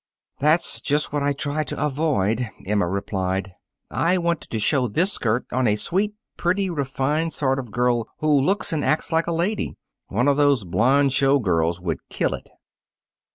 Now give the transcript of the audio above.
"That's just what I tried to avoid," Emma replied. "I wanted to show this skirt on a sweet, pretty, refined sort of girl who looks and acts like a lady. One of those blond show girls would kill it."